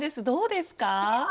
どうですか？